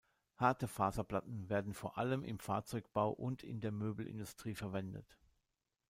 Harte Faserplatten werden vor allem im Fahrzeugbau und in der Möbelindustrie verwendet.